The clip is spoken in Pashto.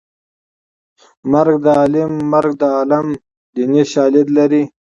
مرګ د عالم مرګ د عالم دیني شالید لري